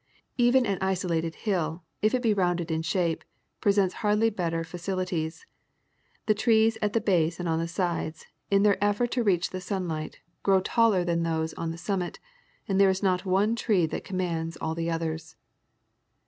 Even an isolated hill if it be rounded in shape presents hardly better facilities, the trees at the base and on the sides, in their effort to reach the sun light grow taller than those on the summit, and there is no one tree that commands all the others.